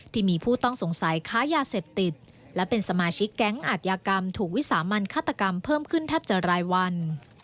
ที่มีผู้ต้องสงสัยค้ายาเสพติดและเป็นสมาชิกแก๊งอาจยากรรมถูกวิสามันฆาตกรรมเพิ่มขึ้นแทบจะรายวัน